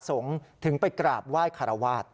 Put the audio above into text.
สงฆ์ถึงไปกราบไหว้คารวาส